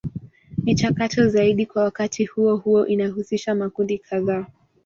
Michakato zaidi kwa wakati huo huo inahusisha makundi kadhaa.